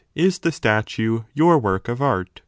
Is the statue your work of art